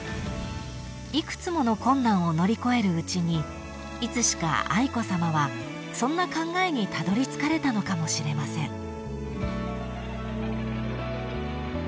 ［幾つもの困難を乗り越えるうちにいつしか愛子さまはそんな考えにたどりつかれたのかもしれません］